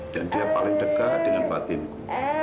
dan dia paling dekat dengan batinku